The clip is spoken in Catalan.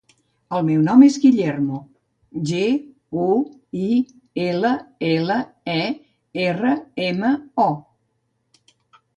El meu nom és Guillermo: ge, u, i, ela, ela, e, erra, ema, o.